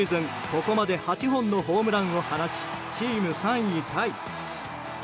ここまで８本のホームランを放ちチーム３位タイ。